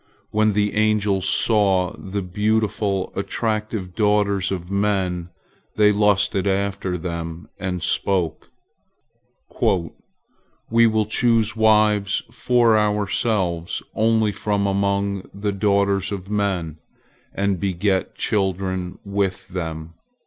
When the angels saw the beautiful, attractive daughters of men, they lusted after them, and spoke: "We will choose wives for ourselves only from among the daughters of men, and beget children with them."